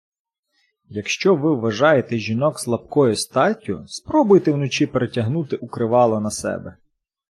Якщо ви вважаєте жінок слабкою статтю, спробуйте вночі перетягнути укривало на себе.